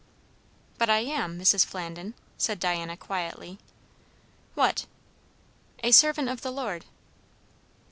"But I am, Mrs. Flandin," said Diana quietly. "What?" "A servant of the Lord."